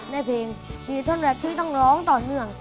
ในเพลงมีท่อนแร็กที่ต้องร้องต่อเหนื่อง